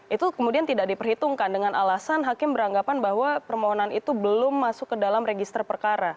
itu kemudian tidak diperhitungkan dengan alasan hakim beranggapan bahwa permohonan itu belum masuk ke dalam register perkara